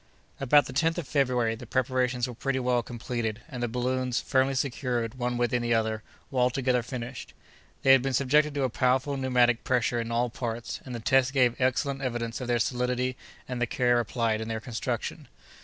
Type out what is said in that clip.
About the 10th of February, the preparations were pretty well completed; and the balloons, firmly secured, one within the other, were altogether finished. They had been subjected to a powerful pneumatic pressure in all parts, and the test gave excellent evidence of their solidity and of the care applied in their construction.